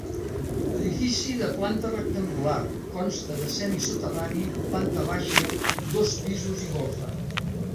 Edifici de planta rectangular, consta de semisoterrani, planta baixa, dos pisos i golfa.